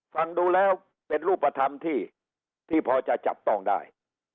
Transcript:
ฟังดูแล้วเป็นรูปธรรมที่พอจะจับต้องได้